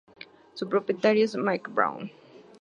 Su propietario es Mike Brown.